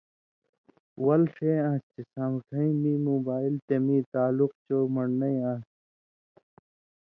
ول ݜے آن٘س چےۡ سامٹَھیں میں مُوبائل تے مِیں تعلُق چو من٘ڑنئ آن٘س۔